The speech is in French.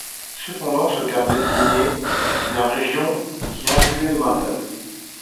Cependant, ce terme désignait une région qui incluait l'Emmental.